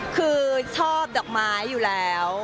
คือชอบดอกไม้อยู่แล้ว